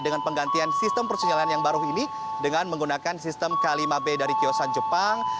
dengan penggantian sistem persinyalilan yang baru ini dengan menggunakan sistem k lima b dari kiosan jepang